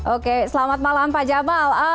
oke selamat malam pak jamal